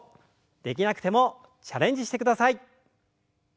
できなくてもチャレンジしてください。